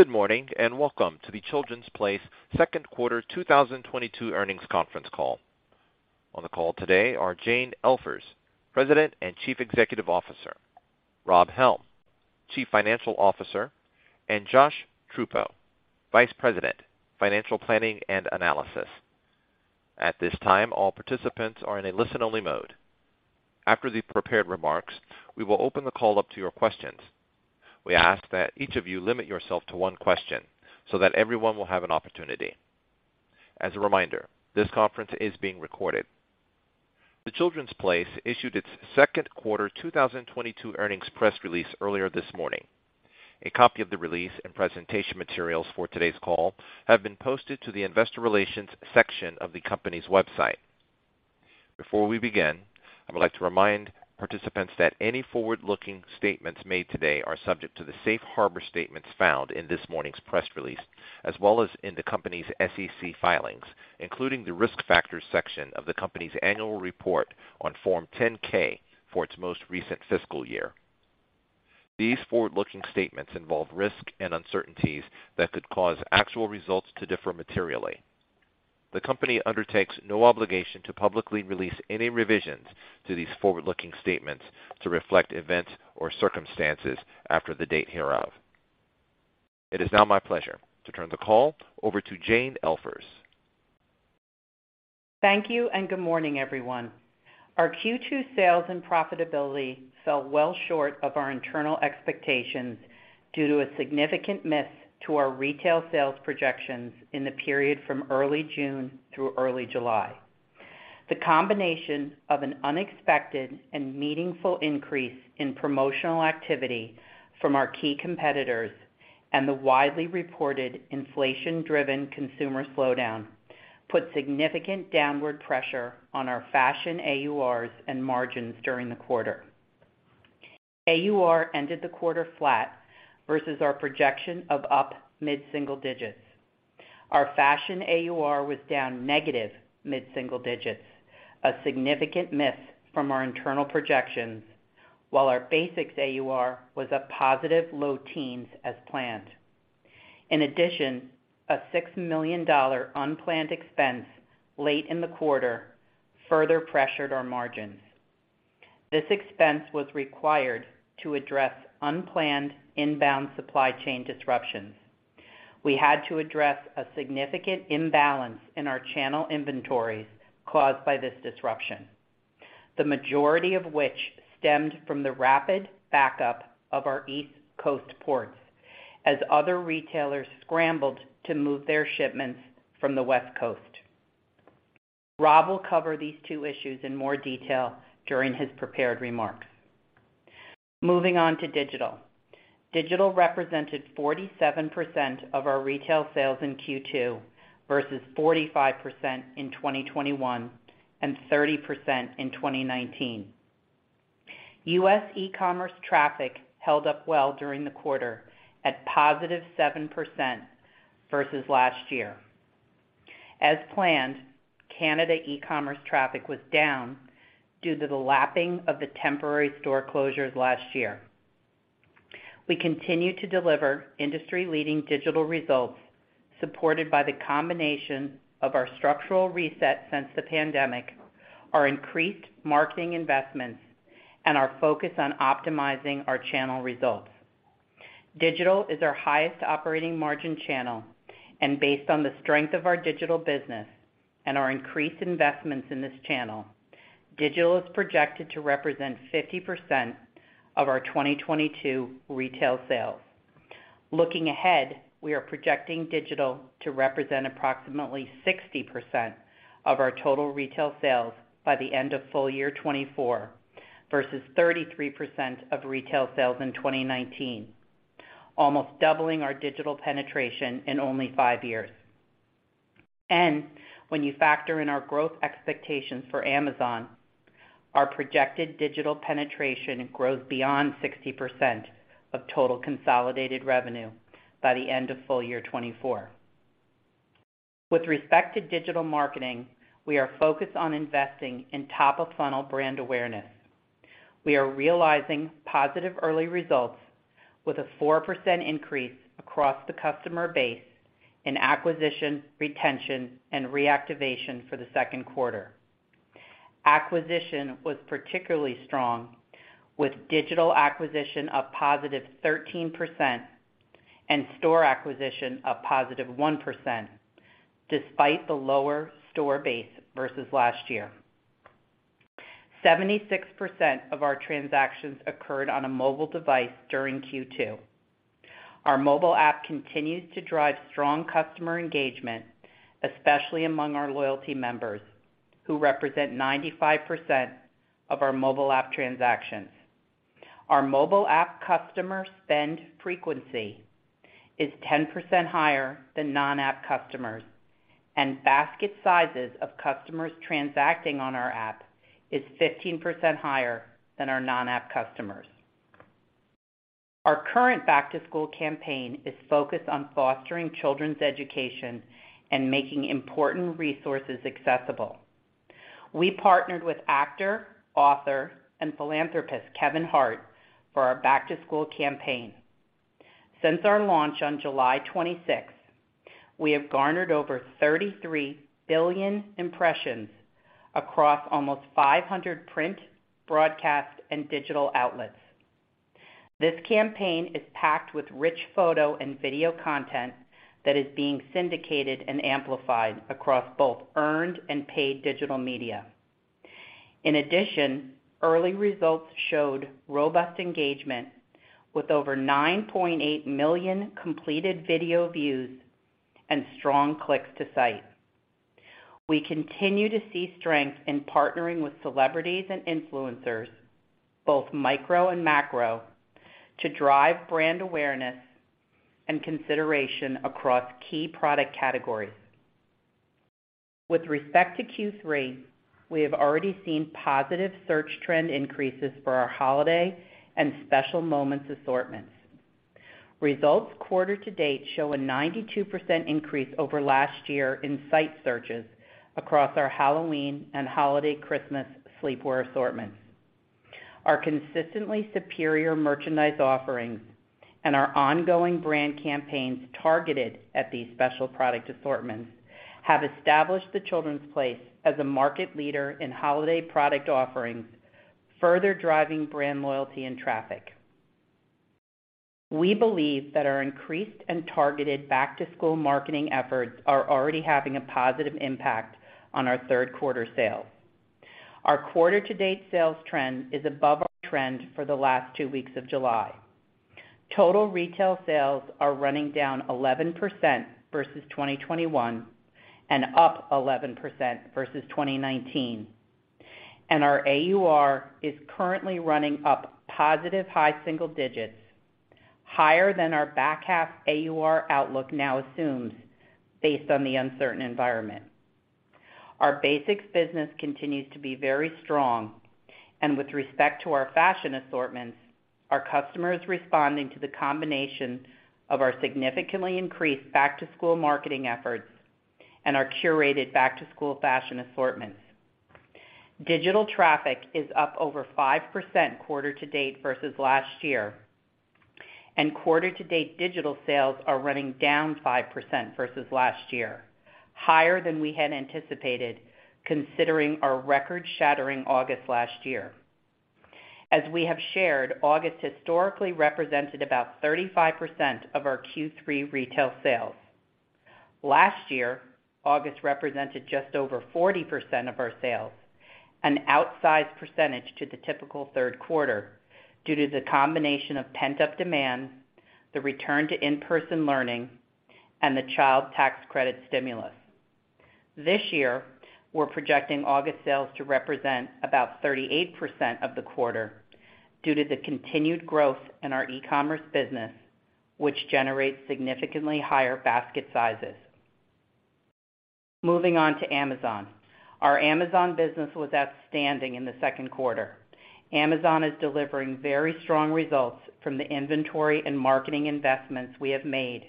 Good morning, and welcome to The Children’s Place second quarter 2022 earnings conference call. On the call today are Jane Elfers, President and Chief Executive Officer, Robert Helm, Chief Financial Officer, and Jared Shure, Vice President, Financial Planning and Analysis. At this time, all participants are in a listen-only mode. After the prepared remarks, we will open the call up to your questions. We ask that each of you limit yourself to one question so that everyone will have an opportunity. As a reminder, this conference is being recorded. The Children’s Place issued its second quarter 2022 earnings press release earlier this morning. A copy of the release and presentation materials for today's call have been posted to the investor relations section of the company's website. Before we begin, I would like to remind participants that any forward-looking statements made today are subject to the safe harbor statements found in this morning's press release, as well as in the company's SEC filings, including the Risk Factors section of the company's annual report on Form 10-K for its most recent fiscal year. These forward-looking statements involve risks and uncertainties that could cause actual results to differ materially. The company undertakes no obligation to publicly release any revisions to these forward-looking statements to reflect events or circumstances after the date hereof. It is now my pleasure to turn the call over to Jane Elfers. Thank you, and good morning, everyone. Our Q2 sales and profitability fell well short of our internal expectations due to a significant miss to our retail sales projections in the period from early June through early July. The combination of an unexpected and meaningful increase in promotional activity from our key competitors and the widely reported inflation-driven consumer slowdown put significant downward pressure on our fashion AURs and margins during the quarter. AUR ended the quarter flat versus our projection of up mid-single digits. Our fashion AUR was down negative mid-single digits, a significant miss from our internal projections, while our basics AUR was up positive low teens as planned. In addition, a $6 million unplanned expense late in the quarter further pressured our margins. This expense was required to address unplanned inbound supply chain disruptions. We had to address a significant imbalance in our channel inventories caused by this disruption, the majority of which stemmed from the rapid backup of our East Coast ports as other retailers scrambled to move their shipments from the West Coast. Rob will cover these two issues in more detail during his prepared remarks. Moving on to digital. Digital represented 47% of our retail sales in Q2 versus 45% in 2021, and 30% in 2019. U.S. e-commerce traffic held up well during the quarter at +7% versus last year. As planned, Canada e-commerce traffic was down due to the lapping of the temporary store closures last year. We continue to deliver industry-leading digital results supported by the combination of our structural reset since the pandemic, our increased marketing investments, and our focus on optimizing our channel results. Digital is our highest operating margin channel, and based on the strength of our digital business and our increased investments in this channel, digital is projected to represent 50% of our 2022 retail sales. Looking ahead, we are projecting digital to represent approximately 60% of our total retail sales by the end of full year 2024 versus 33% of retail sales in 2019, almost doubling our digital penetration in only 5 years. When you factor in our growth expectations for Amazon, our projected digital penetration grows beyond 60% of total consolidated revenue by the end of full year 2024. With respect to digital marketing, we are focused on investing in top-of-funnel brand awareness. We are realizing positive early results with a 4% increase across the customer base in acquisition, retention, and reactivation for the second quarter. Acquisition was particularly strong, with digital acquisition up positive 13% and store acquisition up positive 1%, despite the lower store base versus last year. 76% of our transactions occurred on a mobile device during Q2. Our mobile app continues to drive strong customer engagement, especially among our loyalty members, who represent 95% of our mobile app transactions. Our mobile app customer spend frequency is 10% higher than non-app customers, and basket sizes of customers transacting on our app is 15% higher than our non-app customers. Our current back-to-school campaign is focused on fostering children's education and making important resources accessible. We partnered with actor, author, and philanthropist Kevin Hart for our back-to-school campaign. Since our launch on July 26th, we have garnered over 33 billion impressions across almost 500 print, broadcast, and digital outlets. This campaign is packed with rich photo and video content that is being syndicated and amplified across both earned and paid digital media. In addition, early results showed robust engagement with over 9.8 million completed video views and strong clicks to site. We continue to see strength in partnering with celebrities and influencers, both micro and macro, to drive brand awareness and consideration across key product categories. With respect to Q3, we have already seen positive search trend increases for our holiday and special moments assortments. Results quarter to date show a 92% increase over last year in site searches across our Halloween and holiday Christmas sleepwear assortments. Our consistently superior merchandise offerings and our ongoing brand campaigns targeted at these special product assortments have established The Children's Place as a market leader in holiday product offerings, further driving brand loyalty and traffic. We believe that our increased and targeted back-to-school marketing efforts are already having a positive impact on our third quarter sales. Our quarter to date sales trend is above our trend for the last two weeks of July. Total retail sales are running down 11% versus 2021 and up 11% versus 2019, and our AUR is currently running up positive high single digits, higher than our back half AUR outlook now assumes based on the uncertain environment. Our basics business continues to be very strong. With respect to our fashion assortments, our customers responding to the combination of our significantly increased back-to-school marketing efforts and our curated back-to-school fashion assortments. Digital traffic is up over 5% quarter to date versus last year, and quarter to date digital sales are running down 5% versus last year, higher than we had anticipated, considering our record-shattering August last year. As we have shared, August historically represented about 35% of our Q3 retail sales. Last year, August represented just over 40% of our sales, an outsized percentage to the typical third quarter due to the combination of pent-up demand, the return to in-person learning, and the child tax credit stimulus. This year, we're projecting August sales to represent about 38% of the quarter due to the continued growth in our e-commerce business, which generates significantly higher basket sizes. Moving on to Amazon. Our Amazon business was outstanding in the second quarter. Amazon is delivering very strong results from the inventory and marketing investments we have made,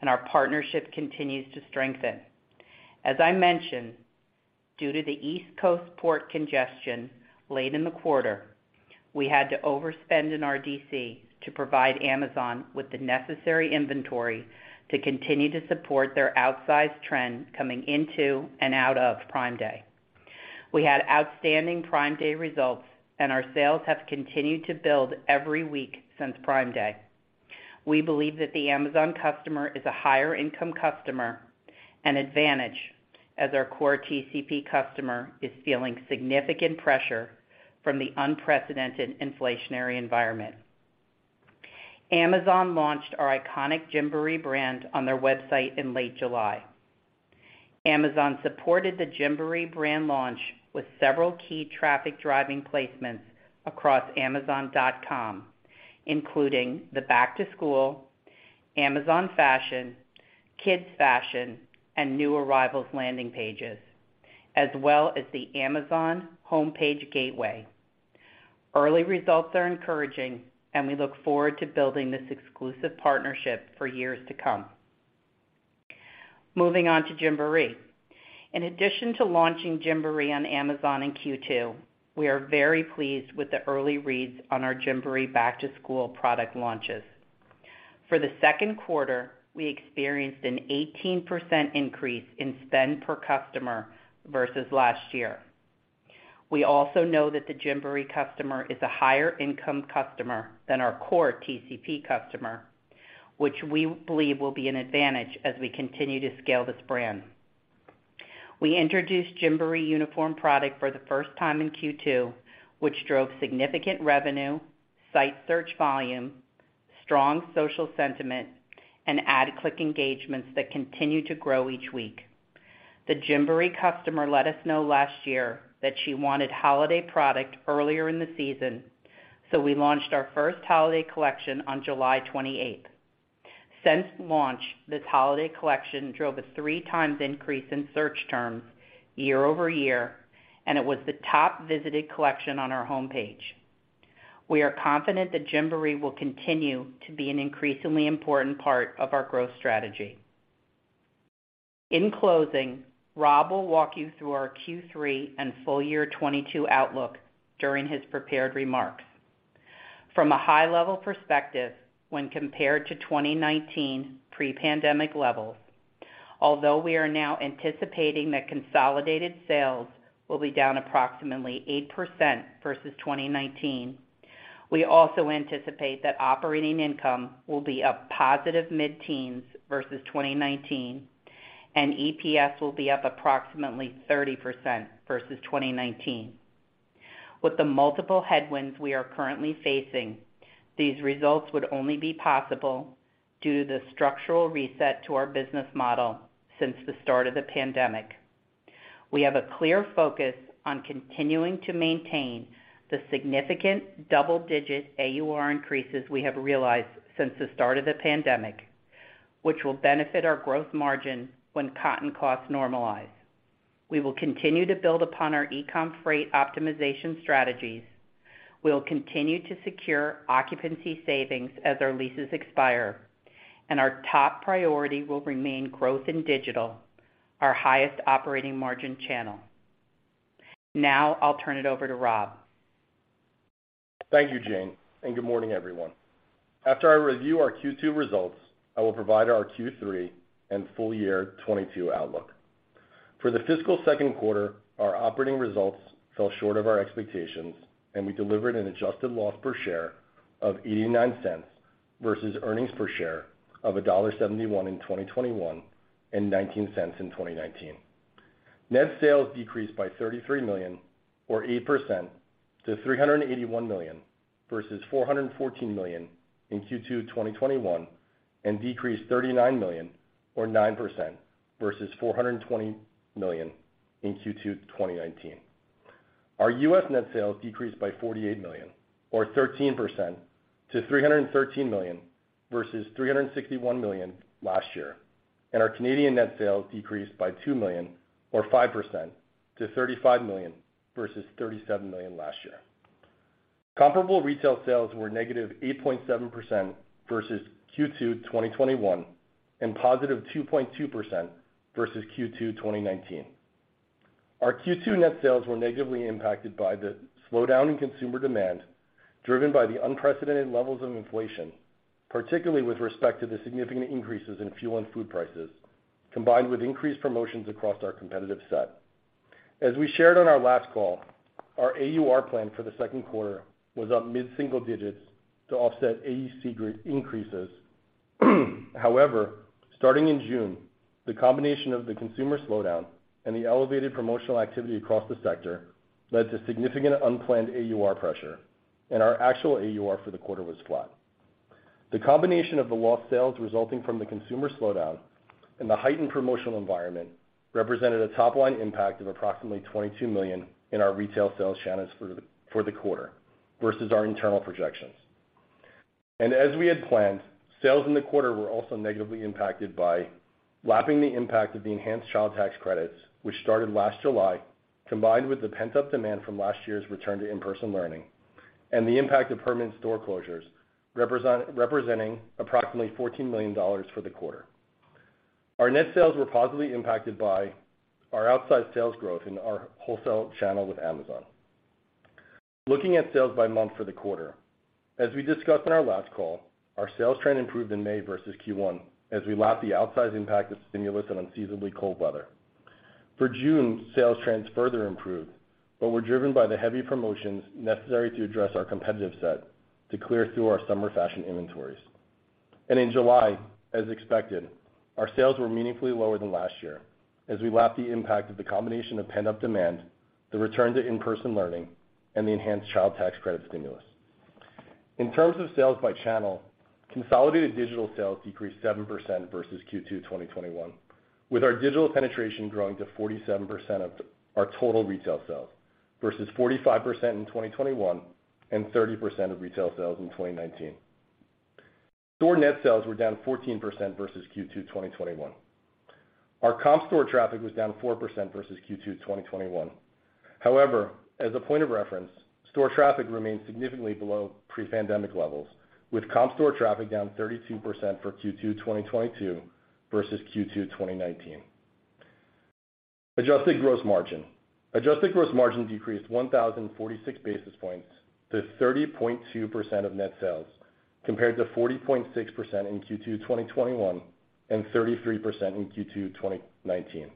and our partnership continues to strengthen. As I mentioned, due to the East Coast port congestion late in the quarter, we had to overspend in our DCs to provide Amazon with the necessary inventory to continue to support their outsized trend coming into and out of Prime Day. We had outstanding Prime Day results, and our sales have continued to build every week since Prime Day. We believe that the Amazon customer is a higher income customer, an advantage as our core TCP customer is feeling significant pressure from the unprecedented inflationary environment. Amazon launched our iconic Gymboree brand on their website in late July. Amazon supported the Gymboree brand launch with several key traffic-driving placements across amazon.com, including the back to school, Amazon Fashion, Kids Fashion, and New Arrivals landing pages, as well as the Amazon homepage gateway. Early results are encouraging, and we look forward to building this exclusive partnership for years to come. Moving on to Gymboree. In addition to launching Gymboree on Amazon in Q2, we are very pleased with the early reads on our Gymboree back-to-school product launches. For the second quarter, we experienced an 18% increase in spend per customer versus last year. We also know that the Gymboree customer is a higher income customer than our core TCP customer, which we believe will be an advantage as we continue to scale this brand. We introduced Gymboree uniform product for the first time in Q2, which drove significant revenue, site search volume, strong social sentiment, and ad click engagements that continue to grow each week. The Gymboree customer let us know last year that she wanted holiday product earlier in the season, so we launched our first holiday collection on July twenty-eighth. Since launch, this holiday collection drove a 3 times increase in search terms year-over-year, and it was the top visited collection on our homepage. We are confident that Gymboree will continue to be an increasingly important part of our growth strategy. In closing, Rob will walk you through our Q3 and full year 2022 outlook during his prepared remarks. From a high level perspective, when compared to 2019 pre-pandemic levels, although we are now anticipating that consolidated sales will be down approximately 8% versus 2019, we also anticipate that operating income will be up positive mid-teens versus 2019, and EPS will be up approximately 30% versus 2019. With the multiple headwinds we are currently facing, these results would only be possible due to the structural reset to our business model since the start of the pandemic. We have a clear focus on continuing to maintain the significant double-digit AUR increases we have realized since the start of the pandemic, which will benefit our growth margin when cotton costs normalize. We will continue to build upon our e-com freight optimization strategies, we will continue to secure occupancy savings as our leases expire, and our top priority will remain growth in digital, our highest operating margin channel. Now I'll turn it over to Rob. Thank you, Jane, and good morning, everyone. After I review our Q2 results, I will provide our Q3 and full year 2022 outlook. For the fiscal second quarter, our operating results fell short of our expectations, and we delivered an adjusted loss per share of $0.89 versus earnings per share of $1.71 in 2021 and $0.19 in 2019. Net sales decreased by $33 million or 8% to $381 million versus $414 million in Q2 2021, and decreased $39 million or 9% versus $420 million in Q2 2019. Our US net sales decreased by $48 million or 13% to $313 million versus $361 million last year. Our Canadian net sales decreased by $2 million or 5% to $35 million versus $37 million last year. Comparable retail sales were -8.7% versus Q2 2021, and +2.2% versus Q2 2019. Our Q2 net sales were negatively impacted by the slowdown in consumer demand, driven by the unprecedented levels of inflation, particularly with respect to the significant increases in fuel and food prices, combined with increased promotions across our competitive set. As we shared on our last call, our AUR plan for the second quarter was up mid-single digits to offset AUC increases. However, starting in June, the combination of the consumer slowdown and the elevated promotional activity across the sector led to significant unplanned AUR pressure, and our actual AUR for the quarter was flat. The combination of the lost sales resulting from the consumer slowdown and the heightened promotional environment represented a top-line impact of approximately $22 million in our retail sales channels for the quarter versus our internal projections. As we had planned, sales in the quarter were also negatively impacted by lapping the impact of the enhanced child tax credits, which started last July, combined with the pent-up demand from last year's return to in-person learning and the impact of permanent store closures representing approximately $14 million for the quarter. Our net sales were positively impacted by our outsized sales growth in our wholesale channel with Amazon. Looking at sales by month for the quarter. As we discussed on our last call, our sales trend improved in May versus Q1 as we lapped the outsized impact of stimulus and unseasonably cold weather. For June, sales trends further improved, but were driven by the heavy promotions necessary to address our competitive set to clear through our summer fashion inventories. In July, as expected, our sales were meaningfully lower than last year as we lapped the impact of the combination of pent-up demand, the return to in-person learning, and the enhanced child tax credit stimulus. In terms of sales by channel, consolidated digital sales decreased 7% versus Q2 2021, with our digital penetration growing to 47% of our total retail sales, versus 45% in 2021 and 30% of retail sales in 2019. Store net sales were down 14% versus Q2 2021. Our comp store traffic was down 4% versus Q2 2021. However, as a point of reference, store traffic remains significantly below pre-pandemic levels, with comp store traffic down 32% for Q2 2022 versus Q2 2019. Adjusted gross margin decreased 1,046 basis points to 30.2% of net sales, compared to 40.6% in Q2 2021 and 33% in Q2 2019.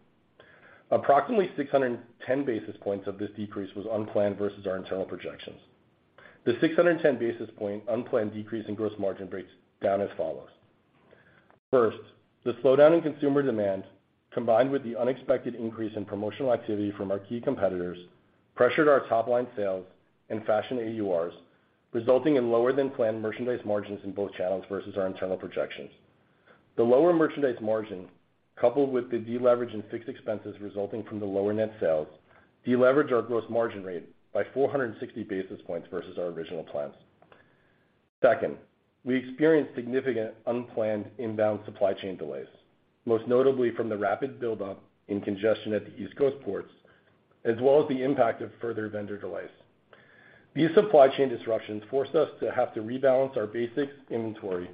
Approximately 610 basis points of this decrease was unplanned versus our internal projections. The 610 basis point unplanned decrease in gross margin breaks down as follows. First, the slowdown in consumer demand, combined with the unexpected increase in promotional activity from our key competitors, pressured our top-line sales and fashion AURs, resulting in lower than planned merchandise margins in both channels versus our internal projections. The lower merchandise margin, coupled with the deleverage in fixed expenses resulting from the lower net sales, deleveraged our gross margin rate by 460 basis points versus our original plans. Second, we experienced significant unplanned inbound supply chain delays, most notably from the rapid buildup in congestion at the East Coast ports, as well as the impact of further vendor delays. These supply chain disruptions forced us to have to rebalance our basics inventory,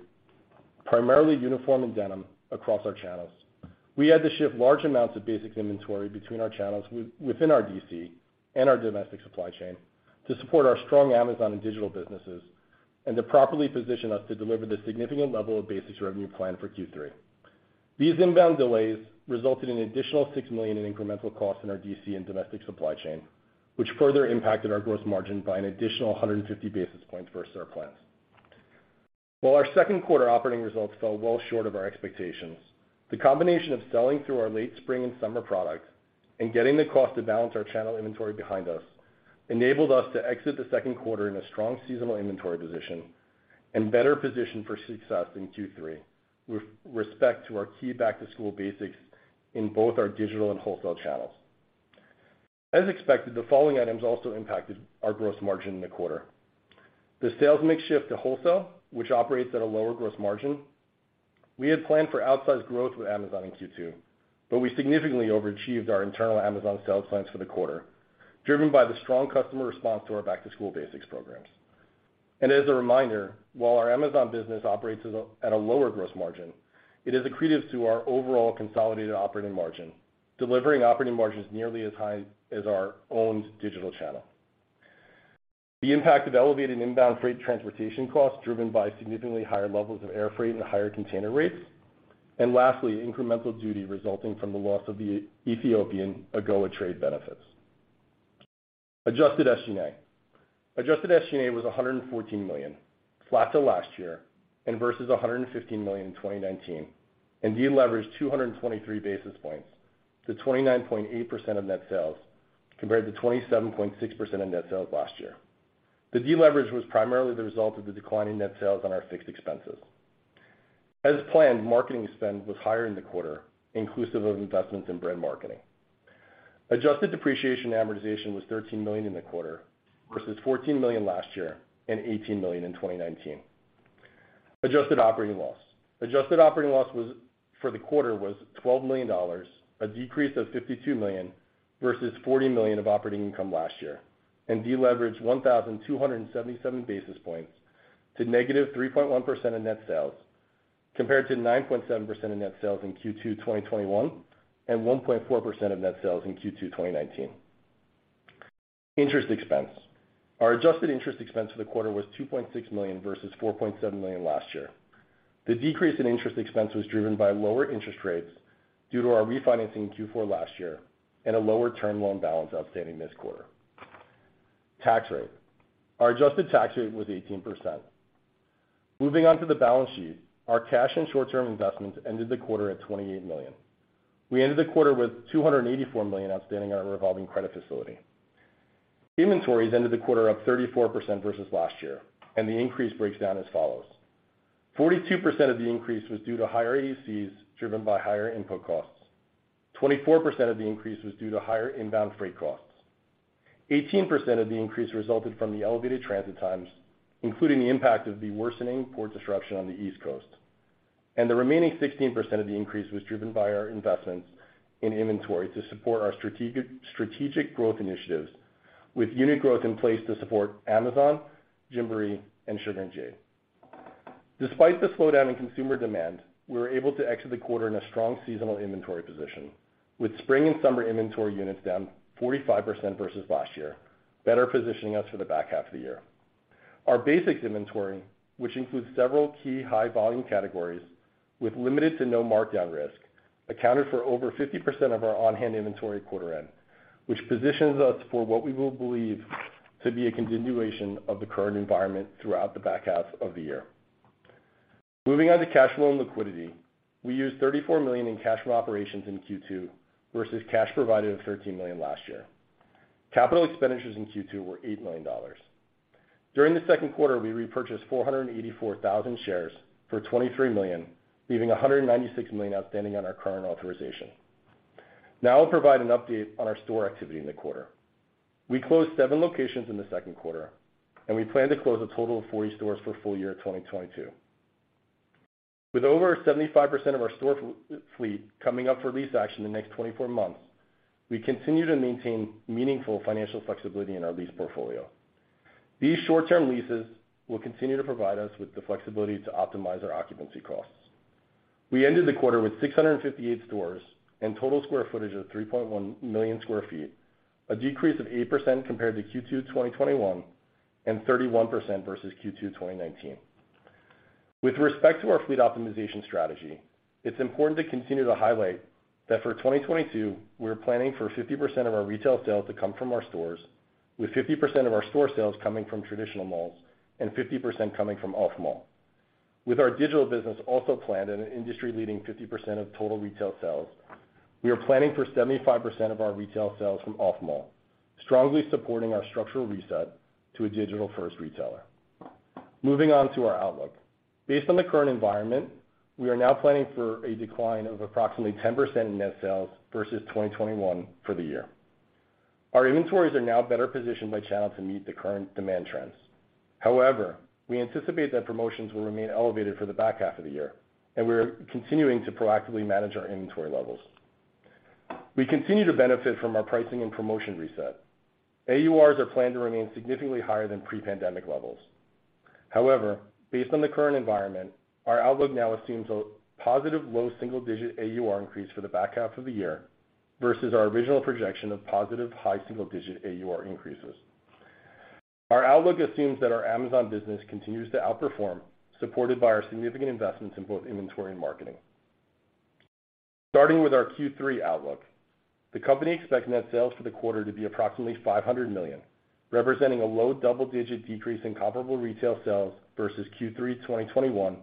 primarily uniform and denim across our channels. We had to ship large amounts of basics inventory between our channels within our DC and our domestic supply chain to support our strong Amazon and digital businesses, and to properly position us to deliver the significant level of basics revenue planned for Q3. These inbound delays resulted in an additional $6 million in incremental costs in our DC and domestic supply chain, which further impacted our gross margin by an additional 150 basis points versus our plans. While our second quarter operating results fell well short of our expectations, the combination of selling through our late spring and summer product and getting the cost to balance our channel inventory behind us, enabled us to exit the second quarter in a strong seasonal inventory position and better positioned for success in Q3 with respect to our key back-to-school basics in both our digital and wholesale channels. As expected, the following items also impacted our gross margin in the quarter. The sales mix shift to wholesale, which operates at a lower gross margin. We had planned for outsized growth with Amazon in Q2, but we significantly overachieved our internal Amazon sales plans for the quarter, driven by the strong customer response to our back-to-school basics programs. As a reminder, while our Amazon business operates as a at a lower gross margin, it is accretive to our overall consolidated operating margin, delivering operating margins nearly as high as our owned digital channel. The impact of elevated inbound freight transportation costs driven by significantly higher levels of air freight and higher container rates. Lastly, incremental duty resulting from the loss of the Ethiopian AGOA trade benefits. Adjusted SG&A. Adjusted SG&A was $114 million, flat to last year and versus $115 million in 2019, and deleveraged 223 basis points to 29.8% of net sales, compared to 27.6% of net sales last year. The deleverage was primarily the result of the decline in net sales on our fixed expenses. As planned, marketing spend was higher in the quarter, inclusive of investments in brand marketing. Adjusted depreciation and amortization was $13 million in the quarter versus $14 million last year and $18 million in 2019. Adjusted operating loss. Adjusted operating loss for the quarter was $12 million, a decrease of $52 million versus $40 million of operating income last year, and deleveraged 1,277 basis points to negative 3.1% of net sales, compared to 9.7% of net sales in Q2, 2021, and 1.4% of net sales in Q2, 2019. Interest expense. Our adjusted interest expense for the quarter was $2.6 million versus $4.7 million last year. The decrease in interest expense was driven by lower interest rates due to our refinancing in Q4 last year and a lower term loan balance outstanding this quarter. Tax rate. Our adjusted tax rate was 18%. Moving on to the balance sheet. Our cash and short-term investments ended the quarter at $28 million. We ended the quarter with $284 million outstanding on our revolving credit facility. Inventories ended the quarter up 34% versus last year, and the increase breaks down as follows. 42% of the increase was due to higher AUCs driven by higher input costs. 24% of the increase was due to higher inbound freight costs. 18% of the increase resulted from the elevated transit times, including the impact of the worsening port disruption on the East Coast. The remaining 16% of the increase was driven by our investments in inventory to support our strategic growth initiatives with unit growth in place to support Amazon, Gymboree, and Sugar & Jade. Despite the slowdown in consumer demand, we were able to exit the quarter in a strong seasonal inventory position with spring and summer inventory units down 45% versus last year, better positioning us for the back half of the year. Our basics inventory, which includes several key high volume categories with limited to no markdown risk, accounted for over 50% of our on-hand inventory quarter end, which positions us for what we will believe to be a continuation of the current environment throughout the back half of the year. Moving on to cash flow and liquidity. We used $34 million in cash from operations in Q2 versus cash provided of $13 million last year. Capital expenditures in Q2 were $8 million. During the second quarter, we repurchased 484,000 shares for $23 million, leaving $196 million outstanding on our current authorization. Now I'll provide an update on our store activity in the quarter. We closed 7 locations in the second quarter, and we plan to close a total of 40 stores for full year 2022. With over 75% of our store fleet coming up for lease action in the next 24 months, we continue to maintain meaningful financial flexibility in our lease portfolio. These short-term leases will continue to provide us with the flexibility to optimize our occupancy costs. We ended the quarter with 658 stores and total square footage of 3.1 million sq ft, a decrease of 8% compared to Q2 2021, and 31% versus Q2 2019. With respect to our fleet optimization strategy, it's important to continue to highlight that for 2022, we're planning for 50% of our retail sales to come from our stores, with 50% of our store sales coming from traditional malls and 50% coming from off-mall. With our digital business also planned at an industry-leading 50% of total retail sales, we are planning for 75% of our retail sales from off-mall, strongly supporting our structural reset to a digital-first retailer. Moving on to our outlook. Based on the current environment, we are now planning for a decline of approximately 10% in net sales versus 2021 for the year. Our inventories are now better positioned by channel to meet the current demand trends. However, we anticipate that promotions will remain elevated for the back half of the year, and we are continuing to proactively manage our inventory levels. We continue to benefit from our pricing and promotion reset. AURs are planned to remain significantly higher than pre-pandemic levels. However, based on the current environment, our outlook now assumes a positive low single-digit AUR increase for the back half of the year versus our original projection of positive high single-digit AUR increases. Our outlook assumes that our Amazon business continues to outperform, supported by our significant investments in both inventory and marketing. Starting with our Q3 outlook, the company expects net sales for the quarter to be approximately $500 million, representing a low double-digit decrease in comparable retail sales versus Q3 2021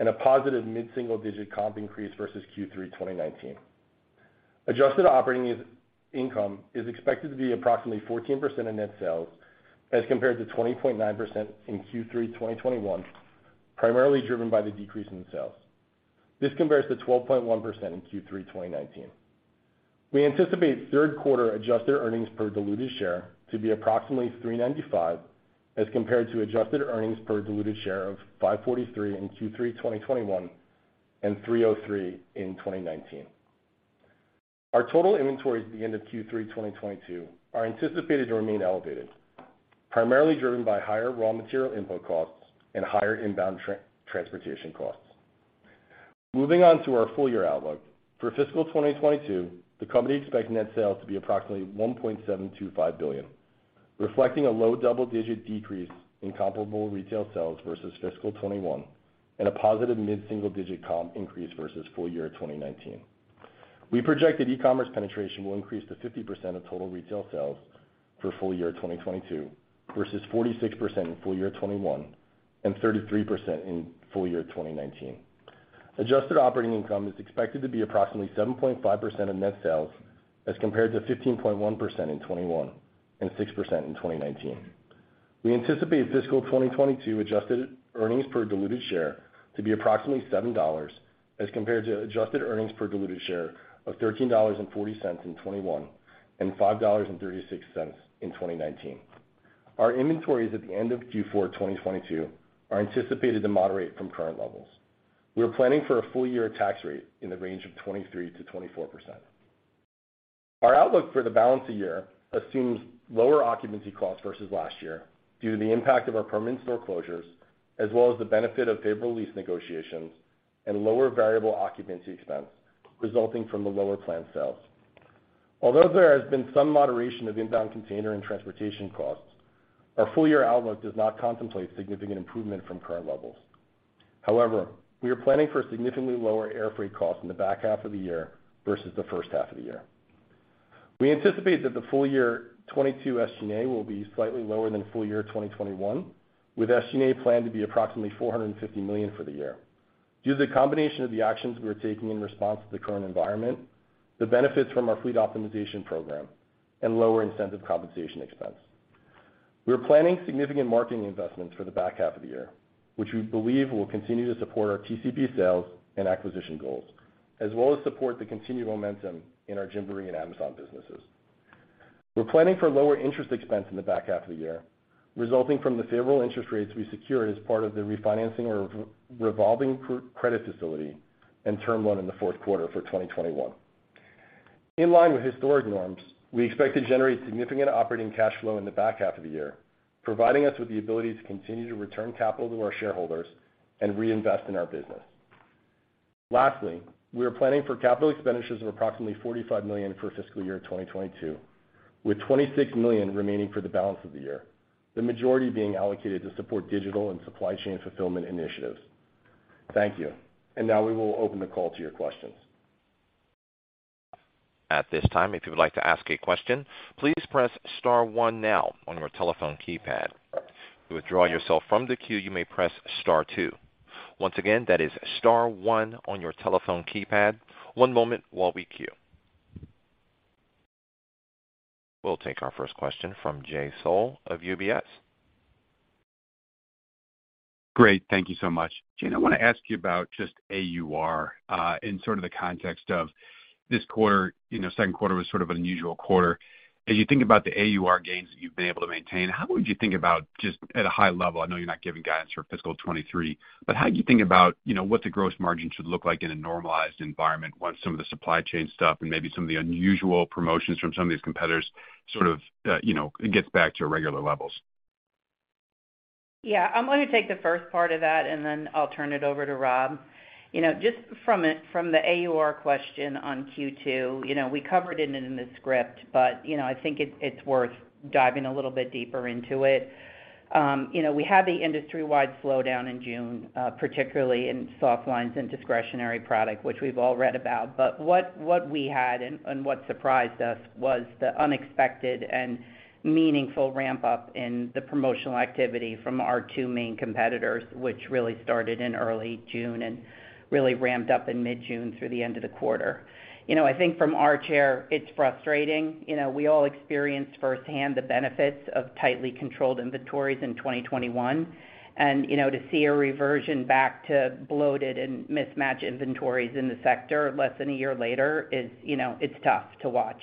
and a positive mid-single digit comp increase versus Q3 2019. Adjusted operating income is expected to be approximately 14% of net sales as compared to 20.9% in Q3 2021, primarily driven by the decrease in sales. This compares to 12.1% in Q3 2019. We anticipate third quarter adjusted earnings per diluted share to be approximately $3.95, as compared to adjusted earnings per diluted share of $5.43 in Q3 2021 and $3.03 in 2019. Our total inventories at the end of Q3 2022 are anticipated to remain elevated, primarily driven by higher raw material input costs and higher inbound transportation costs. Moving on to our full year outlook. For fiscal 2022, the company expects net sales to be approximately $1.725 billion, reflecting a low double-digit decrease in comparable retail sales versus fiscal 2021 and a positive mid-single digit comp increase versus full year 2019. We project that e-commerce penetration will increase to 50% of total retail sales for full year 2022 versus 46% in full year 2021 and 33% in full year 2019. Adjusted operating income is expected to be approximately 7.5% of net sales as compared to 15.1% in 2021 and 6% in 2019. We anticipate fiscal 2022 adjusted earnings per diluted share to be approximately $7 as compared to adjusted earnings per diluted share of $13.40 in 2021 and $5.36 in 2019. Our inventories at the end of Q4 2022 are anticipated to moderate from current levels. We are planning for a full year tax rate in the range of 23%-24%. Our outlook for the balance of the year assumes lower occupancy costs versus last year due to the impact of our permanent store closures, as well as the benefit of favorable lease negotiations and lower variable occupancy expense resulting from the lower planned sales. Although there has been some moderation of inbound container and transportation costs, our full year outlook does not contemplate significant improvement from current levels. However, we are planning for significantly lower airfreight costs in the back half of the year versus the first half of the year. We anticipate that the full year 2022 SG&A will be slightly lower than full year 2021, with SG&A planned to be approximately $450 million for the year due to the combination of the actions we are taking in response to the current environment, the benefits from our fleet optimization program, and lower incentive compensation expense. We are planning significant marketing investments for the back half of the year, which we believe will continue to support our TCP sales and acquisition goals, as well as support the continued momentum in our Gymboree and Amazon businesses. We're planning for lower interest expense in the back half of the year, resulting from the favorable interest rates we secured as part of the refinancing of our revolving credit facility and term loan in the fourth quarter of 2021. In line with historic norms, we expect to generate significant operating cash flow in the back half of the year, providing us with the ability to continue to return capital to our shareholders and reinvest in our business. Lastly, we are planning for capital expenditures of approximately $45 million for fiscal year 2022, with $26 million remaining for the balance of the year, the majority being allocated to support digital and supply chain fulfillment initiatives. Thank you. Now we will open the call to your questions. At this time, if you would like to ask a question, please press star one now on your telephone keypad. To withdraw yourself from the queue, you may press star two. Once again, that is star one on your telephone keypad. One moment while we queue. We'll take our first question from Jay Sole of UBS. Great. Thank you so much. Jane, I wanna ask you about just AUR in sort of the context of this quarter, you know, second quarter was sort of an unusual quarter. As you think about the AUR gains that you've been able to maintain, how would you think about just at a high level, I know you're not giving guidance for fiscal 2023, but how do you think about, you know, what the gross margin should look like in a normalized environment once some of the supply chain stuff and maybe some of the unusual promotions from some of these competitors sort of, you know, it gets back to regular levels? Yeah. I'm gonna take the first part of that, and then I'll turn it over to Rob. You know, just from the AUR question on Q2, you know, we covered it in the script, but you know, I think it's worth diving a little bit deeper into it. You know, we had the industry-wide slowdown in June, particularly in soft lines and discretionary product, which we've all read about. What we had and what surprised us was the unexpected and meaningful ramp-up in the promotional activity from our two main competitors, which really started in early June and really ramped up in mid-June through the end of the quarter. You know, I think from our chair, it's frustrating. You know, we all experienced firsthand the benefits of tightly controlled inventories in 2021. You know, to see a reversion back to bloated and mismatched inventories in the sector less than a year later is, you know, it's tough to watch.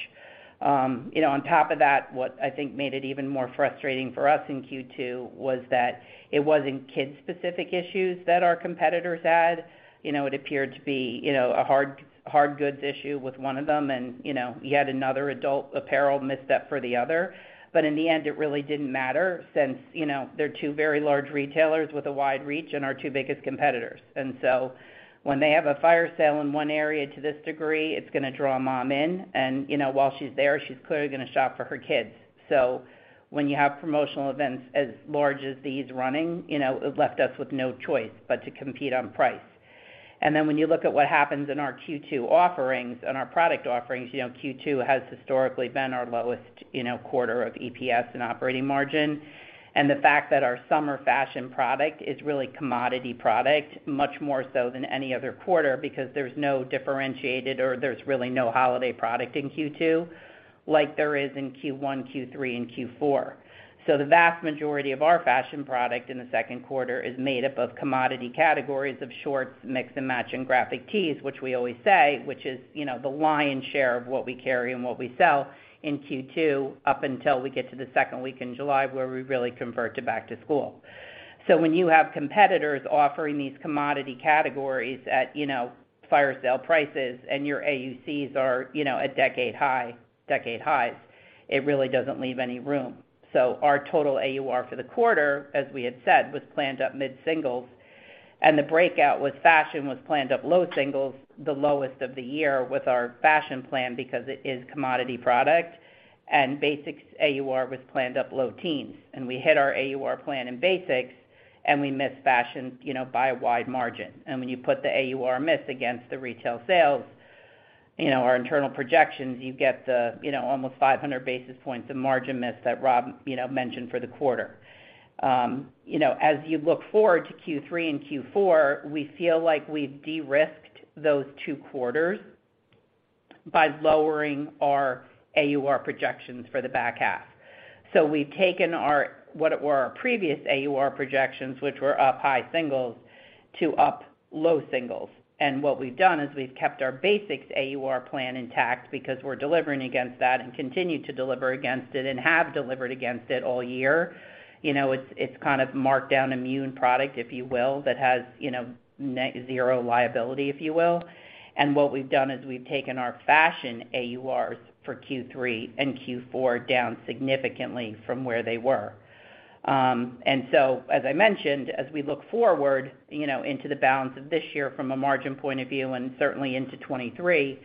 You know, on top of that, what I think made it even more frustrating for us in Q2 was that it wasn't kids specific issues that our competitors had. You know, it appeared to be, you know, a hard goods issue with one of them. You know, you had another adult apparel misstep for the other. In the end, it really didn't matter since, you know, they're two very large retailers with a wide reach and our two biggest competitors. When they have a fire sale in one area to this degree, it's gonna draw a mom in. You know, while she's there, she's clearly gonna shop for her kids. When you have promotional events as large as these running, you know, it left us with no choice but to compete on price. Then when you look at what happens in our Q2 offerings, on our product offerings, you know, Q2 has historically been our lowest, you know, quarter of EPS and operating margin. The fact that our summer fashion product is really commodity product, much more so than any other quarter because there's really no holiday product in Q2 like there is in Q1, Q3 and Q4. The vast majority of our fashion product in the second quarter is made up of commodity categories of shorts, mix and match, and graphic tees, which we always say is, you know, the lion's share of what we carry and what we sell in Q2 up until we get to the second week in July, where we really convert to back to school. When you have competitors offering these commodity categories at, you know, fire sale prices and your AUCs are, you know, at decade highs, it really doesn't leave any room. Our total AUR for the quarter, as we had said, was planned up mid-singles. The breakout with fashion was planned up low singles, the lowest of the year with our fashion plan because it is commodity product. Basics AUR was planned up low teens, and we hit our AUR plan in basics, and we missed fashion, you know, by a wide margin. When you put the AUR miss against the retail sales, you know, our internal projections, you get the, you know, almost 500 basis points of margin miss that Rob, you know, mentioned for the quarter. You know, as you look forward to Q3 and Q4, we feel like we've de-risked those two quarters by lowering our AUR projections for the back half. We've taken our what were our previous AUR projections, which were up high single digits to up low single digits. What we've done is we've kept our basics AUR plan intact because we're delivering against that and continue to deliver against it and have delivered against it all year. You know, it's kind of marked down immune product, if you will, that has, you know, zero liability, if you will. What we've done is we've taken our fashion AURs for Q3 and Q4 down significantly from where they were. As I mentioned, as we look forward, you know, into the balance of this year from a margin point of view and certainly into 2023,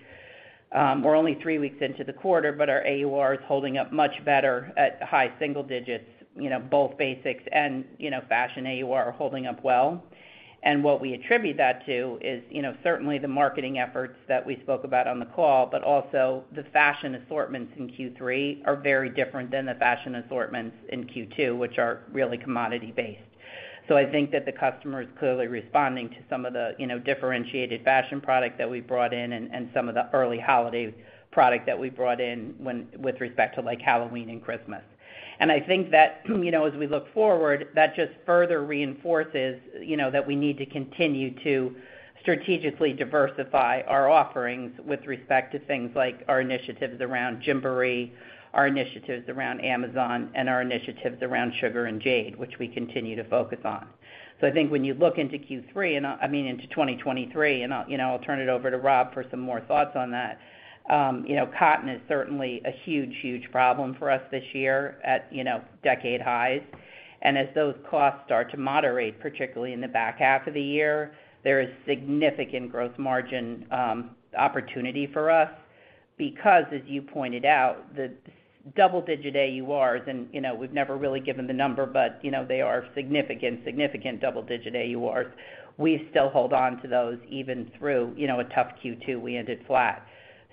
we're only three weeks into the quarter, but our AUR is holding up much better at high single digits. You know, both basics and, you know, fashion AUR are holding up well. What we attribute that to is, you know, certainly the marketing efforts that we spoke about on the call, but also the fashion assortments in Q3 are very different than the fashion assortments in Q2, which are really commodity based. I think that the customer is clearly responding to some of the, you know, differentiated fashion product that we brought in and some of the early holiday product that we brought in with respect to like Halloween and Christmas. I think that, you know, as we look forward, that just further reinforces, you know, that we need to continue to strategically diversify our offerings with respect to things like our initiatives around Gymboree, our initiatives around Amazon, and our initiatives around Sugar & Jade, which we continue to focus on. I think when you look into Q3, and I mean into 2023, and I'll turn it over to Rob for some more thoughts on that. You know, cotton is certainly a huge problem for us this year at, you know, decade highs. As those costs start to moderate, particularly in the back half of the year, there is significant gross margin opportunity for us because as you pointed out, the double-digit AURs and, you know, we've never really given the number, but you know, they are significant double-digit AURs. We still hold on to those even through, you know, a tough Q2, we ended flat.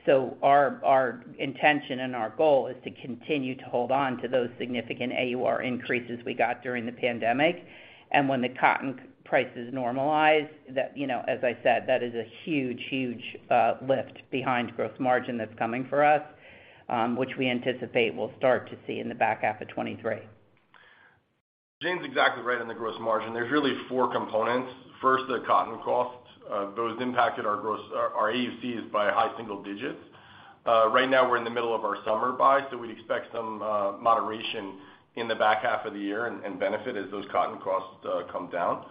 Our intention and our goal is to continue to hold on to those significant AUR increases we got during the pandemic. When the cotton prices normalize that, you know, as I said, that is a huge lift behind gross margin that's coming for us, which we anticipate we'll start to see in the back half of 2023. Jane's exactly right on the gross margin. There's really four components. First, the cotton costs. Those impacted our AUCs by high single digits. Right now we're in the middle of our summer buy, so we'd expect some moderation in the back half of the year and benefit as those cotton costs come down.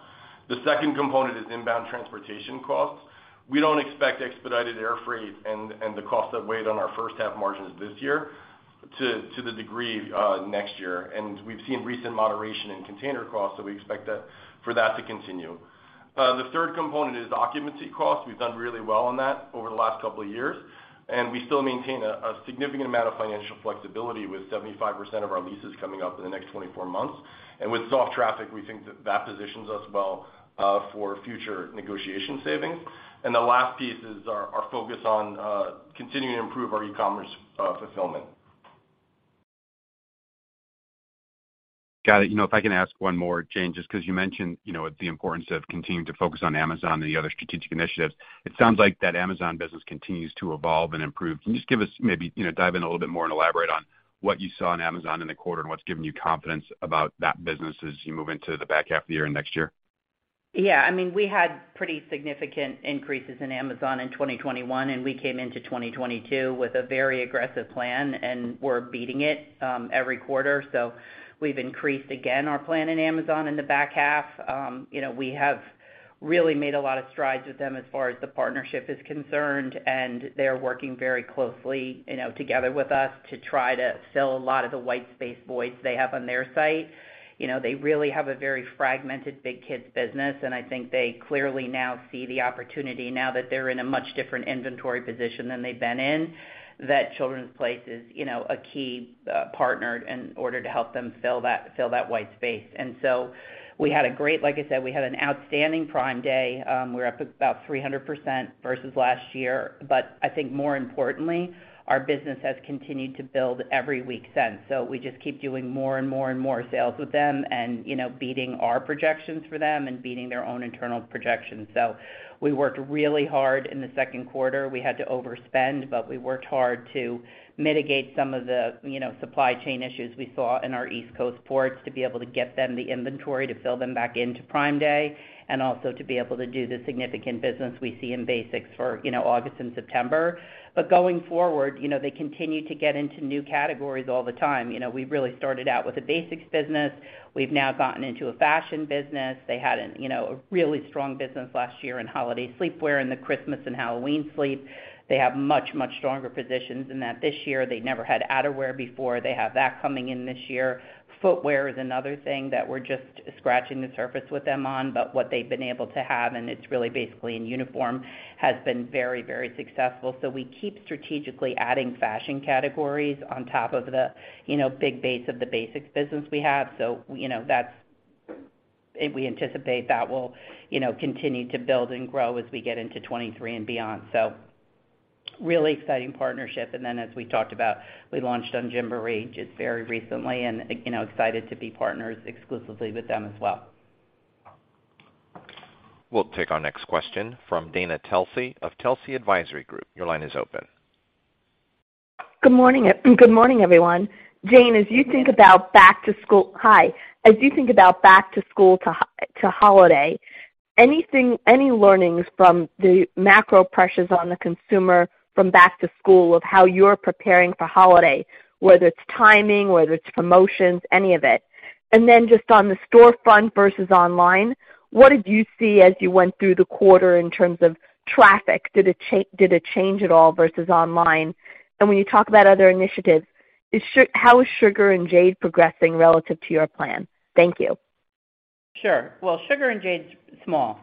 The second component is inbound transportation costs. We don't expect expedited air freight and the cost that weighed on our first half margins this year to the degree next year. We've seen recent moderation in container costs, so we expect that to continue. The third component is occupancy costs. We've done really well on that over the last couple of years, and we still maintain a significant amount of financial flexibility with 75% of our leases coming up in the next 24 months. With soft traffic, we think that positions us well for future negotiation savings. The last piece is our focus on continuing to improve our e-commerce fulfillment. Got it. You know, if I can ask one more, Jane, just 'cause you mentioned, you know, the importance of continuing to focus on Amazon and the other strategic initiatives. It sounds like that Amazon business continues to evolve and improve. Can you just give us maybe, you know, dive in a little bit more and elaborate on what you saw on Amazon in the quarter and what's given you confidence about that business as you move into the back half of the year and next year? Yeah. I mean, we had pretty significant increases in Amazon in 2021, and we came into 2022 with a very aggressive plan, and we're beating it every quarter. We've increased, again, our plan in Amazon in the back half. You know, we have really made a lot of strides with them as far as the partnership is concerned, and they are working very closely, you know, together with us to try to fill a lot of the white space voids they have on their site. You know, they really have a very fragmented big kids business, and I think they clearly now see the opportunity now that they're in a much different inventory position than they've been in. That The Children's Place is, you know, a key partner in order to help them fill that white space. We had a great. Like I said, we had an outstanding Prime Day. We're up about 300% versus last year. I think more importantly, our business has continued to build every week since. We just keep doing more and more and more sales with them and, you know, beating our projections for them and beating their own internal projections. We worked really hard in the second quarter. We had to overspend, but we worked hard to mitigate some of the, you know, supply chain issues we saw in our East Coast ports to be able to get them the inventory to fill them back into Prime Day and also to be able to do the significant business we see in basics for, you know, August and September. Going forward, you know, they continue to get into new categories all the time. You know, we really started out with a basics business. We've now gotten into a fashion business. They had, you know, a really strong business last year in holiday sleepwear and the Christmas and Halloween sleepwear. They have much stronger positions in that this year. They never had outerwear before. They have that coming in this year. Footwear is another thing that we're just scratching the surface with them on. But what they've been able to have, and it's really basically in uniforms, has been very successful. We keep strategically adding fashion categories on top of the, you know, big base of the basics business we have. You know, that's. We anticipate that will, you know, continue to build and grow as we get into 2023 and beyond. Really exciting partnership. As we talked about, we launched on Gymboree just very recently and, you know, excited to be partners exclusively with them as well. We'll take our next question from Dana Telsey of Telsey Advisory Group. Your line is open. Good morning. Good morning, everyone. Jane, as you think about back to school. Hi. As you think about back to school to holiday, anything, any learnings from the macro pressures on the consumer from back to school of how you're preparing for holiday, whether it's timing, whether it's promotions, any of it. Then just on the storefront versus online, what did you see as you went through the quarter in terms of traffic? Did it change at all versus online? When you talk about other initiatives, how is Sugar & Jade progressing relative to your plan? Thank you. Sure. Well, Sugar & Jade's small,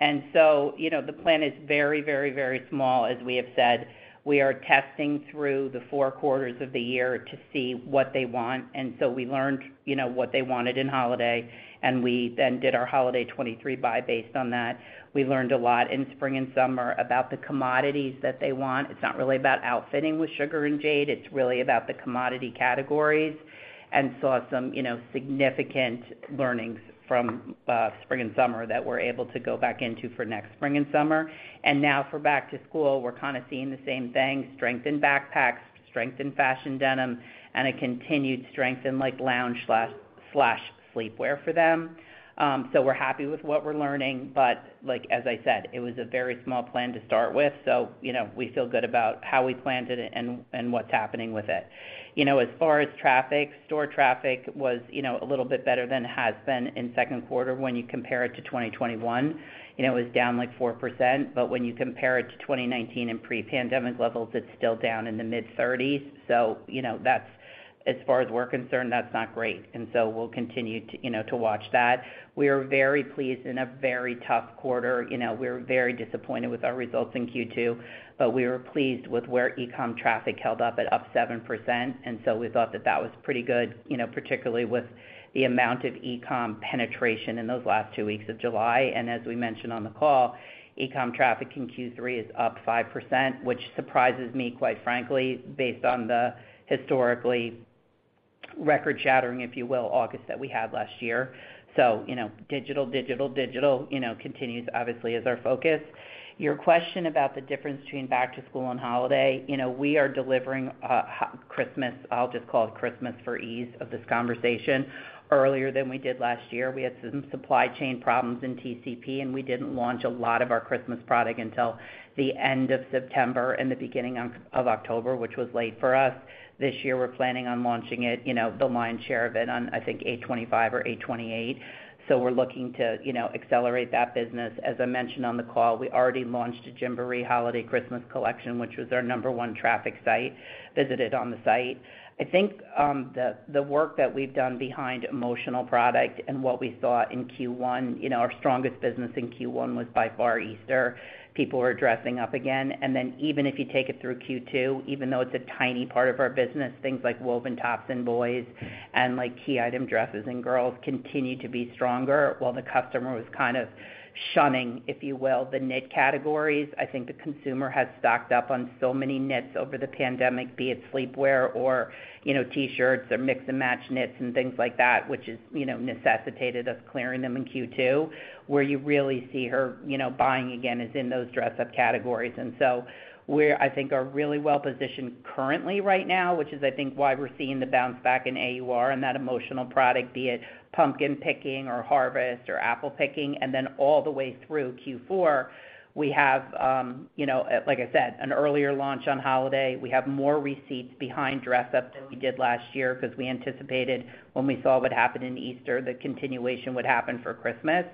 and so, you know, the plan is very small. As we have said, we are testing through the four quarters of the year to see what they want. We learned, you know, what they wanted in holiday, and we then did our holiday 2023 buy based on that. We learned a lot in spring and summer about the commodities that they want. It's not really about outfitting with Sugar & Jade. It's really about the commodity categories. Saw some, you know, significant learnings from spring and summer that we're able to go back into for next spring and summer. Now for back to school, we're kind of seeing the same thing. Strength in backpacks, strength in fashion denim, and a continued strength in, like, lounge/sleepwear for them. We're happy with what we're learning. Like as I said, it was a very small plan to start with. You know, we feel good about how we planned it and what's happening with it. You know, as far as traffic, store traffic was, you know, a little bit better than it has been in second quarter when you compare it to 2021. You know, it was down, like, 4%, but when you compare it to 2019 in pre-pandemic levels, it's still down in the mid-30s. You know, that's, as far as we're concerned, that's not great. We'll continue to, you know, to watch that. We are very pleased in a very tough quarter. You know, we're very disappointed with our results in Q2, but we were pleased with where e-com traffic held up at up 7%. We thought that was pretty good, you know, particularly with the amount of e-com penetration in those last two weeks of July. As we mentioned on the call, e-com traffic in Q3 is up 5%, which surprises me, quite frankly, based on the historically record-shattering, if you will, August that we had last year. You know, digital continues, obviously, as our focus. Your question about the difference between back to school and holiday, you know, we are delivering Christmas, I'll just call it Christmas for ease of this conversation, earlier than we did last year. We had some supply chain problems in TCP, and we didn't launch a lot of our Christmas product until the end of September and the beginning of October, which was late for us. This year, we're planning on launching it, you know, the lion's share of it on, I think, 8/25 or 8/28. We're looking to, you know, accelerate that business. As I mentioned on the call, we already launched a Gymboree holiday Christmas collection, which was our number one traffic site, visited on the site. I think, the work that we've done behind emotional product and what we saw in Q1, you know, our strongest business in Q1 was by far Easter. People are dressing up again. Even if you take it through Q2, even though it's a tiny part of our business, things like woven tops in boys and, like, key item dresses in girls continue to be stronger while the customer was kind of shunning, if you will, the knit categories. I think the consumer has stocked up on so many knits over the pandemic, be it sleepwear or, you know, T-shirts or mix and match knits and things like that, which has, you know, necessitated us clearing them in Q2, where you really see there, you know, buying again is in those dress up categories. We're, I think, are really well positioned currently right now, which is I think why we're seeing the bounce back in AUR and that emotional product, be it pumpkin picking or harvest or apple picking. All the way through Q4, we have, you know, like I said, an earlier launch on holiday. We have more receipts behind dress up than we did last year because we anticipated when we saw what happened in Easter, the continuation would happen for Christmas.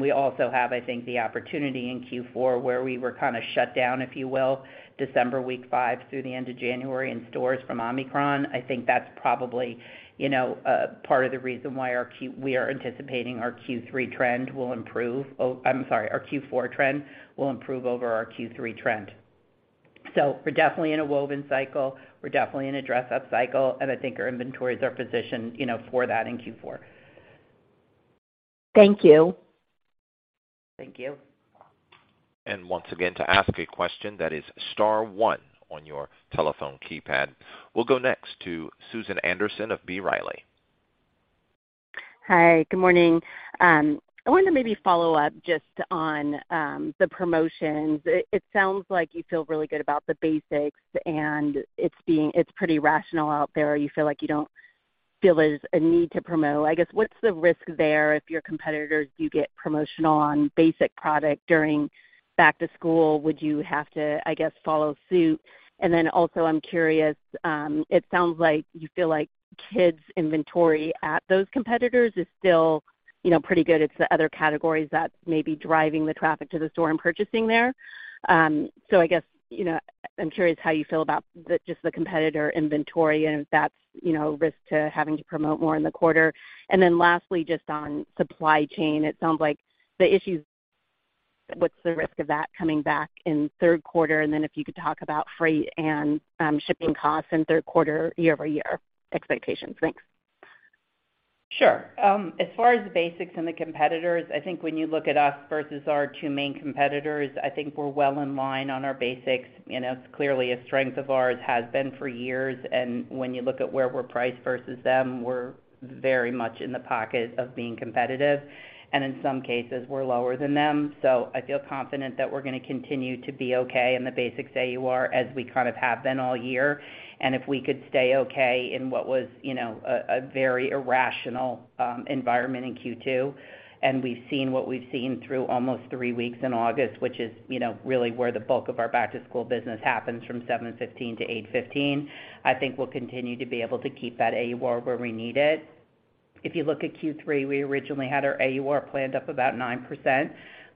We also have, I think, the opportunity in Q4 where we were kind of shut down, if you will, December week five through the end of January in stores from Omicron. I think that's probably, you know, part of the reason why we are anticipating our Q4 trend will improve over our Q3 trend. Oh, I'm sorry. We're definitely in a woven cycle. We're definitely in a dress up cycle, and I think our inventories are positioned, you know, for that in Q4. Thank you. Thank you. Once again, to ask a question that is star one on your telephone keypad. We'll go next to Susan Anderson of B. Riley. Hi. Good morning. I wanted to maybe follow up just on the promotions. It sounds like you feel really good about the basics, and it's pretty rational out there, or you don't feel there's a need to promote. I guess, what's the risk there if your competitors do get promotional on basic product during back to school? Would you have to, I guess, follow suit? And then also I'm curious, it sounds like you feel like kids inventory at those competitors is still, you know, pretty good. It's the other categories that may be driving the traffic to the store and purchasing there. So I guess, you know, I'm curious how you feel about the competitor inventory and if that's, you know, risk to having to promote more in the quarter. Then lastly, just on supply chain, it sounds like the issues, what's the risk of that coming back in third quarter? If you could talk about freight and shipping costs in third quarter year-over-year expectations. Thanks. Sure. As far as the basics and the competitors, I think when you look at us versus our two main competitors, I think we're well in line on our basics. You know, it's clearly a strength of ours, has been for years. When you look at where we're priced versus them, we're very much in the pocket of being competitive, and in some cases, we're lower than them. I feel confident that we're gonna continue to be okay in the basics AUR as we kind of have been all year. If we could stay okay in what was, you know, a very irrational environment in Q2, and we've seen what we've seen through almost three weeks in August, which is, you know, really where the bulk of our back to school business happens from 7/15 to 8/15. I think we'll continue to be able to keep that AUR where we need it. If you look at Q3, we originally had our AUR planned up about 9%.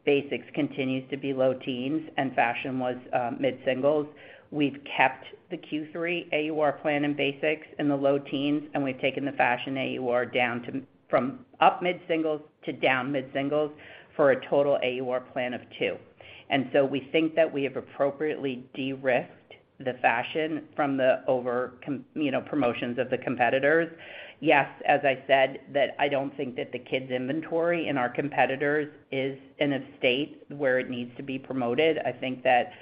Basics continues to be low teens, and fashion was mid-singles. We've kept the Q3 AUR plan in basics in the low teens, and we've taken the fashion AUR down from up mid-singles to down mid-singles for a total AUR plan of 2. We think that we have appropriately de-risked the fashion from the promotions of the competitors. Yes, as I said that I don't think that the kids inventory in our competitors is in a state where it needs to be promoted. I think that,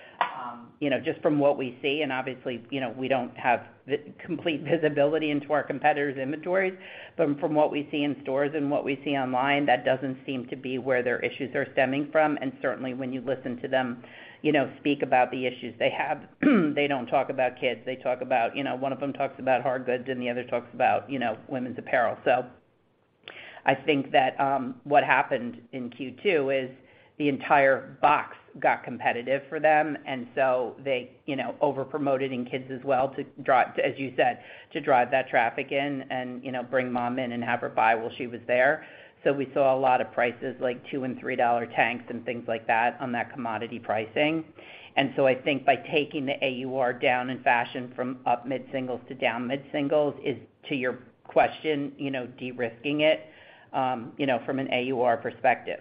you know, just from what we see and obviously, you know, we don't have the complete visibility into our competitors' inventories, but from what we see in stores and what we see online, that doesn't seem to be where their issues are stemming from. Certainly, when you listen to them, you know, speak about the issues they have, they don't talk about kids. They talk about, you know, one of them talks about hard goods, and the other talks about, you know, women's apparel. I think that, what happened in Q2 is the entire box got competitive for them. They, you know, overpromoted in kids as well to drive, as you said, that traffic in and, you know, bring mom in and have her buy while she was there. We saw a lot of prices like $2- and $3-dollar tanks and things like that on that commodity pricing. I think by taking the AUR down in fashion from up mid-singles to down mid-singles is, to your question, you know, de-risking it, you know, from an AUR perspective.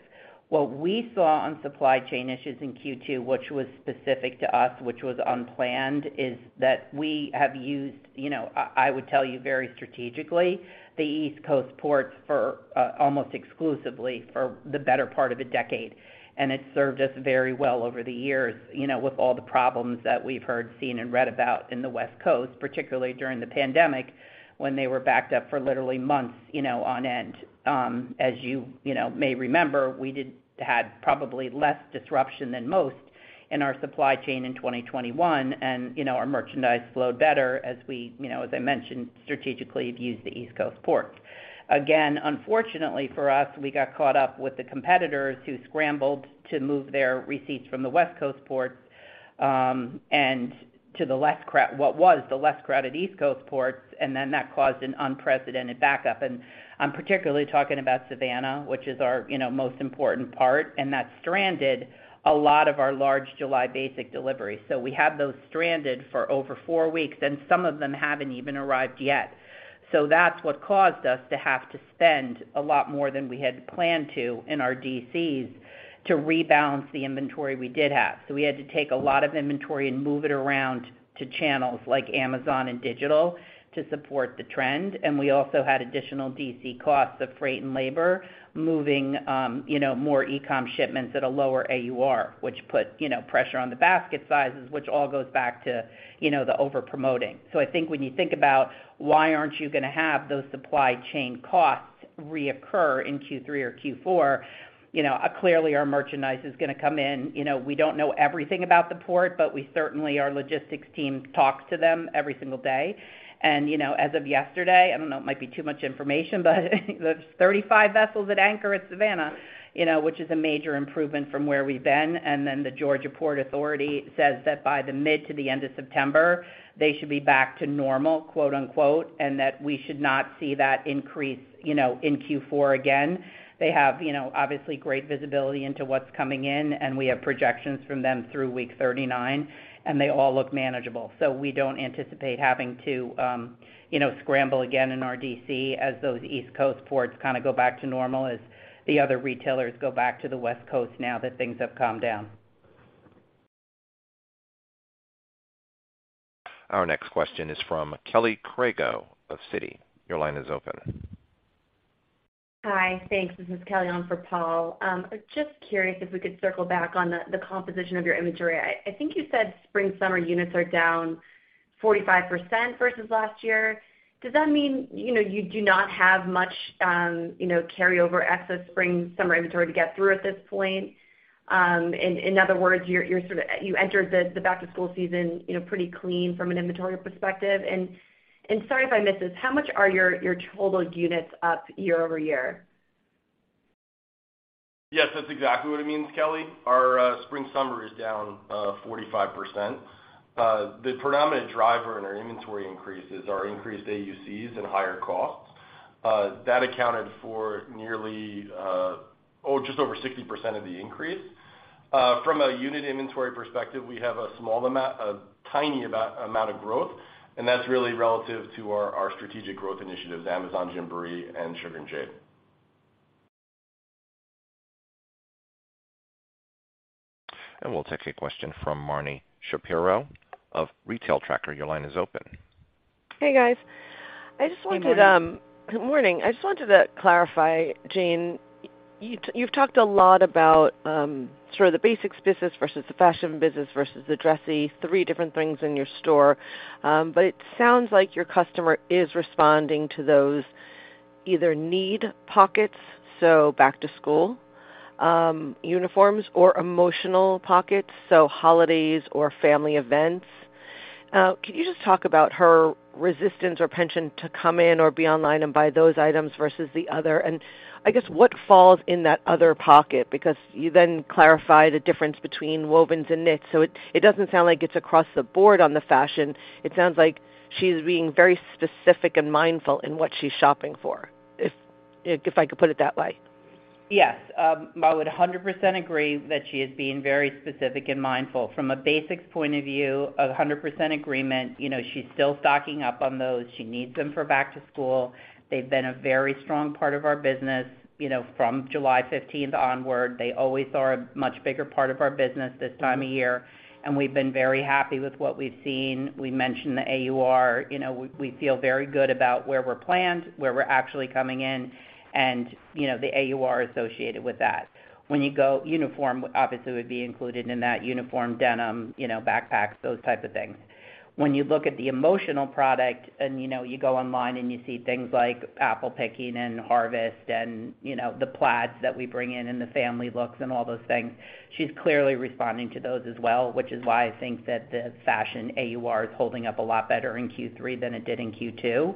What we saw on supply chain issues in Q2, which was specific to us, which was unplanned, is that we have used, you know, I would tell you very strategically, the East Coast ports for almost exclusively for the better part of a decade, and it served us very well over the years, you know, with all the problems that we've heard, seen and read about in the West Coast, particularly during the pandemic when they were backed up for literally months, you know, on end. As you know may remember, we had probably less disruption than most in our supply chain in 2021. You know, our merchandise flowed better as we, you know, as I mentioned, strategically have used the East Coast ports. Again, unfortunately for us, we got caught up with the competitors who scrambled to move their receipts from the West Coast ports, and to the less crowded East Coast ports, and then that caused an unprecedented backup. I'm particularly talking about Savannah, which is our, you know, most important port, and that stranded a lot of our large July basic delivery. We had those stranded for over 4 weeks, and some of them haven't even arrived yet. That's what caused us to have to spend a lot more than we had planned to in our DCs to rebalance the inventory we did have. We had to take a lot of inventory and move it around to channels like Amazon and digital to support the trend. We also had additional DC costs of freight and labor moving, you know, more e-com shipments at a lower AUR, which put, you know, pressure on the basket sizes, which all goes back to, you know, the overpromoting. I think when you think about why aren't you gonna have those supply chain costs reoccur in Q3 or Q4. You know, clearly our merchandise is gonna come in. You know, we don't know everything about the port, but we certainly, our logistics team talks to them every single day. You know, as of yesterday, I don't know, it might be too much information, but there's 35 vessels at anchor at Savannah, you know, which is a major improvement from where we've been. The Georgia Ports Authority says that by the mid to the end of September, they should be back to normal, quote-unquote, and that we should not see that increase, you know, in Q4 again. They have, you know, obviously great visibility into what's coming in, and we have projections from them through week 39, and they all look manageable. We don't anticipate having to, you know, scramble again in our DC as those East Coast ports kinda go back to normal as the other retailers go back to the West Coast now that things have calmed down. Our next question is from Kelly Crago of Citi. Your line is open. Hi. Thanks. This is Kelly on for Paul. Just curious if we could circle back on the composition of your inventory. I think you said spring-summer units are down 45% versus last year. Does that mean, you know, you do not have much, you know, carryover excess spring-summer inventory to get through at this point? In other words, you're you entered the back-to-school season, you know, pretty clean from an inventory perspective. Sorry if I missed this, how much are your total units up year-over-year? Yes, that's exactly what it means, Kelly. Our spring-summer is down 45%. The predominant driver in our inventory increases are increased AUCs and higher costs. That accounted for nearly, oh, just over 60% of the increase. From a unit inventory perspective, we have a tiny amount of growth, and that's really relative to our strategic growth initiatives, Amazon, Gymboree and Sugar & Jade. We'll take a question from Marni Shapiro of The Retail Tracker. Your line is open. Hey, guys. Hey, Marni. Good morning. I just wanted to clarify, Jane, you've talked a lot about sort of the basics business versus the fashion business versus the dressy, three different things in your store. But it sounds like your customer is responding to those either need pockets, so back to school, uniforms or emotional pockets, so holidays or family events. Can you just talk about her resistance or penchant to come in or be online and buy those items versus the other? I guess what falls in that other pocket? Because you then clarify the difference between wovens and knits. It doesn't sound like it's across the board on the fashion. It sounds like she's being very specific and mindful in what she's shopping for, if I could put it that way. Yes. I would 100% agree that she is being very specific and mindful. From a basics point of view, 100% agreement. You know, she's still stocking up on those. She needs them for back to school. They've been a very strong part of our business, you know, from July fifteenth onward. They always are a much bigger part of our business this time of year, and we've been very happy with what we've seen. We mentioned the AUR. You know, we feel very good about where we're planned, where we're actually coming in and, you know, the AUR associated with that. When you go uniform obviously would be included in that uniform denim, you know, backpacks, those type of things. When you look at the emotional product and, you know, you go online and you see things like apple picking and harvest and, you know, the plaids that we bring in and the family looks and all those things, she's clearly responding to those as well, which is why I think that the fashion AUR is holding up a lot better in Q3 than it did in Q2.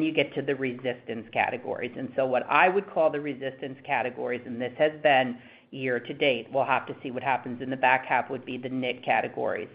You get to the resistance categories. What I would call the resistance categories, and this has been year to date, we'll have to see what happens in the back half, would be the knit categories.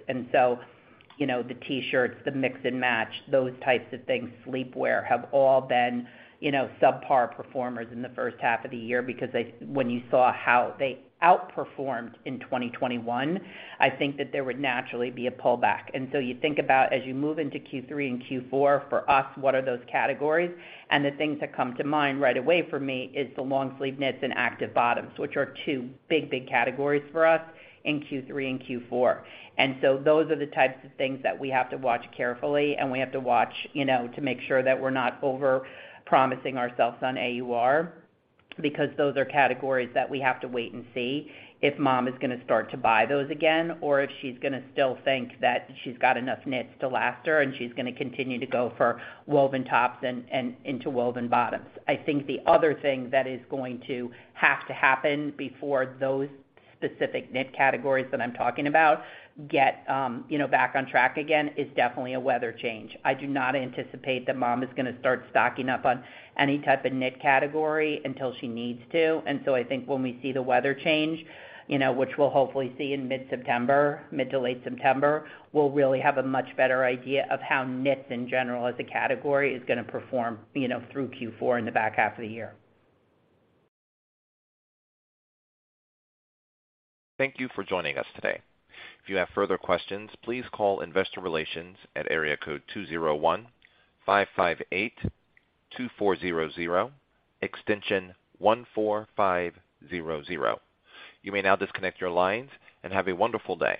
You know, the T-shirts, the mix and match, those types of things, sleepwear, have all been, you know, subpar performers in the first half of the year because they, when you saw how they outperformed in 2021, I think that there would naturally be a pullback. You think about as you move into Q3 and Q4, for us, what are those categories? The things that come to mind right away for me is the long sleeve knits and active bottoms, which are two big, big categories for us in Q3 and Q4. Those are the types of things that we have to watch carefully and we have to watch, you know, to make sure that we're not over-promising ourselves on AUR because those are categories that we have to wait and see if mom is gonna start to buy those again or if she's gonna still think that she's got enough knits to last her and she's gonna continue to go for woven tops and into woven bottoms. I think the other thing that is going to have to happen before those specific knit categories that I'm talking about get, you know, back on track again is definitely a weather change. I do not anticipate that mom is gonna start stocking up on any type of knit category until she needs to. I think when we see the weather change, you know, which we'll hopefully see in mid-September, mid to late September, we'll really have a much better idea of how knits in general as a category is gonna perform, you know, through Q4 in the back half of the year. Thank you for joining us today. If you have further questions, please call Investor Relations at area code 201-558-2400 extension 14500. You may now disconnect your lines and have a wonderful day.